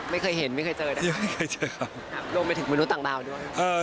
ไม่เคยเห็นไม่เคยเจอนะรวมไปถึงมนุษย์ต่างดาวด้วย